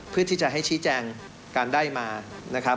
เพื่อที่จะให้ชี้แจ้งการได้มา